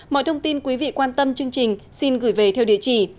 mọi thông tin quý vị quan tâm chương trình xin gửi về theo địa chỉ